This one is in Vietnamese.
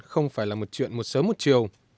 không phải là một chuyện một sớm một chiều